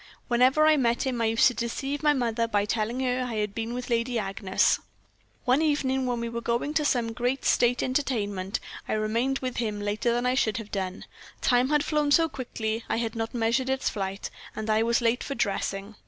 Whenever I met him I used to deceive my mother by telling her I had been with Lady Agnes. One evening, when we were going to some great state entertainment, I remained with him later than I should have done time had flown so quickly I had not measured its flight and I was late for dressing.